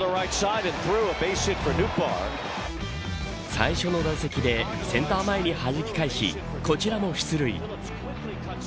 最初の打席でセンター前にはじき返しこちらも出塁。